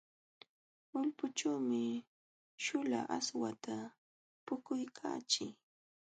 Ulpućhuumi śhuula aswata puquykaachii.